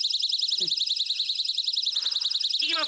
行きます。